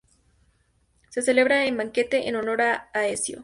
Se celebra un banquete en honor de Aecio.